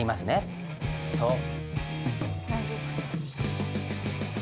そう。